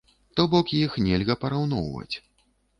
То бок, іх нельга параўноўваць.